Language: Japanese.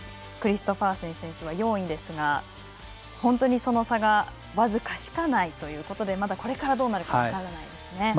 クリストファーセン選手は４位ですが本当にその差が僅かしかないということでまだこれからどうなるか分からないですね。